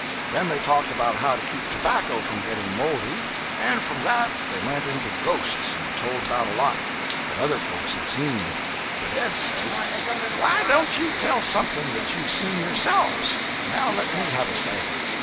Then they talked about how to keep tobacco from getting moldy, and from that they went into ghosts and told about a lot that other folks had seen; but Ed says 'Why don't you tell something that you've seen yourselves? Now let me have a say.